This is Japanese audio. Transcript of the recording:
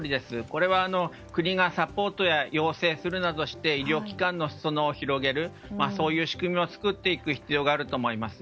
これは国がサポートや要請をするなどして医療機関の裾野を広げるそういう仕組みを作っていく必要があると思います。